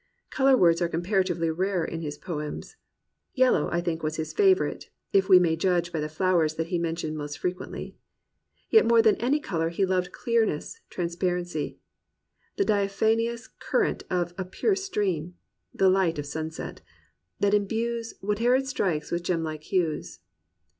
Colour words are comparatively rare in his poems. Yellow, I think, was his favourite, if we may judge by the flowers that he mentioned most frequently. Yet more than any colour he loved clearness, trans parency, the diaphanous current of a pure stream, the light of sunset that imbues Whate'er it strikes with gem like hues.'